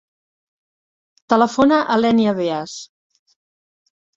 Telefona a l'Ènia Beas.